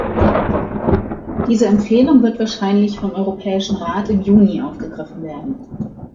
Diese Empfehlung wird wahrscheinlich vom Europäischen Rat im Juni aufgegriffen werden.